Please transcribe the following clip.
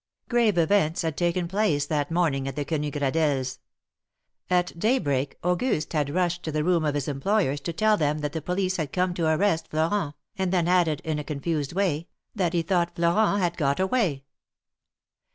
Grave events had taken place that morning at the Quenu Gradelles'. At daybreak Auguste had rushed to the room of his employers to tell them that the police had come to arrest Florent, and then added, in a confused way, that he thought Florent had got away.